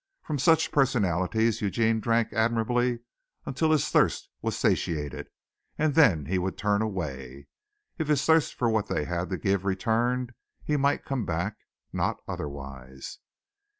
From such personalities Eugene drank admiringly until his thirst was satiated then he would turn away. If his thirst for what they had to give returned, he might come back not otherwise.